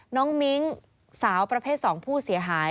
มิ้งสาวประเภท๒ผู้เสียหาย